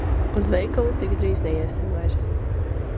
Uz veikalu tik drīz neiesim vairs.